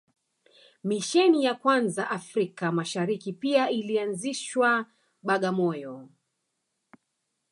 Misheni ya kwanza Afrika Mashariki pia ilianzishwa Bagamoyo